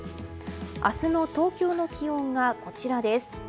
明日の東京の気温がこちらです。